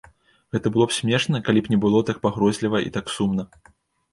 Гэта было б смешна, калі б не было так пагрозліва і так сумна.